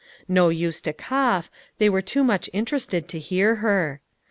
No use to cough, they were too much interested to hear her.